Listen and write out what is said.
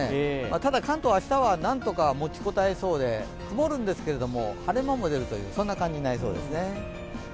ただ関東、明日は何とかもちこたえそうで曇るんですけれども晴れ間も出るという感じになりそうですね。